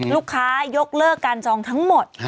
ลูกค้ายกเลิกการจองทั้งหมด